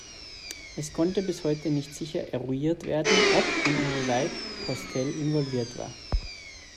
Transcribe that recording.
Es konnte bis heute nicht sicher eruiert werden, ob und inwieweit Postel involviert war.